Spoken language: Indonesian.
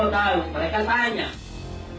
bapaknya juga baik